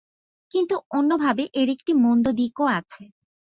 কিন্তু অন্যভাবে এর একটি মন্দ দিকও আছে।